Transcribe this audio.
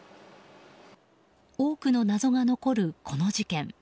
多くの謎が残るこの事件。